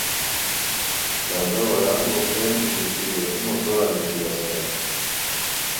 داد ا وارانگو کریمتو دیتی ویرومو سورا نیشی استائے